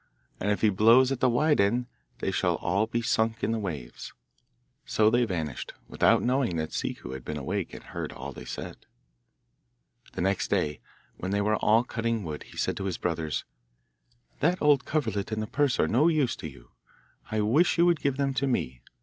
And if he blows at the wide end they shall all be sunk in the waves.' So they vanished, without knowing that Ciccu had been awake and heard all they said. The next day, when they were all cutting wood, he said to his brothers, 'That old coverlet and the purse are no use to you; I wish you would give them to me.